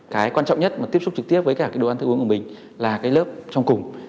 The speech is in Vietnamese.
cái quan trọng nhất mà tiếp xúc trực tiếp với cả cái đồ ăn thức uống của mình là cái lớp trong cùng